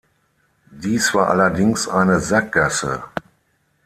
Dies war allerdings eine Sackgasse.